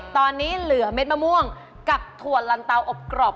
ตอนนี้เหลือเม็ดมะม่วงกับถั่วลำเตาอบกรอบ